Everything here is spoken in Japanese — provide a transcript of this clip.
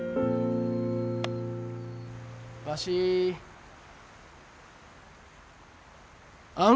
わしあん